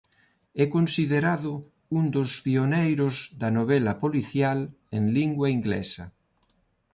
É considerado un dos pioneiros da novela policial en lingua inglesa.